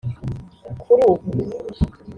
Kuri ubu